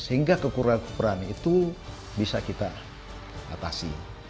sehingga kekurangan kekurangan itu bisa kita atasi